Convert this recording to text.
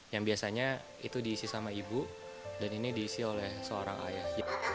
yang biasanya itu diisi sama ibu dan ini diisi oleh seorang ayah